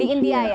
di india ya